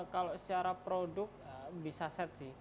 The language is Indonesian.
kalau secara produk bisa set sih